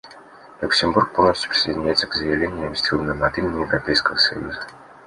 Люксембург полностью присоединяется к заявлению, сделанному от имени Европейского союза.